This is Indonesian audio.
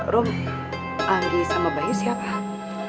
roh anggi sama bayu siapa